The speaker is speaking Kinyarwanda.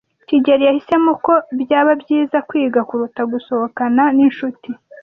kigeli yahisemo ko byaba byiza kwiga kuruta gusohokana n'inshuti.